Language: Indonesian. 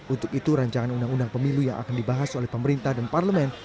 untuk itu rancangan undang undang pemilu yang akan dibahas oleh pemerintah dan parlemen